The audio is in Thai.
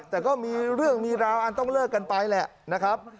แต่ก็มีเรื่องมีราวอันต้องเลิกกันไปแหละนะครับ